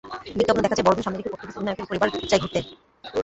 বিজ্ঞাপনে দেখা যায়, বড়দিন সামনে রেখে পর্তুগিজ অধিনায়কের পরিবার যায় ঘুরতে।